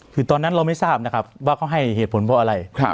คือตอนนั้นเราไม่ทราบนะครับว่าเขาให้เหตุผลเพราะอะไร